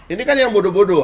ini kan yang bodoh bodoh